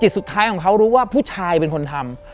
สุดท้ายของเขารู้ว่าผู้ชายเป็นคนทำ